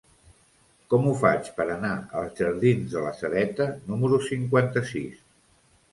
Com ho faig per anar als jardins de la Sedeta número cinquanta-sis?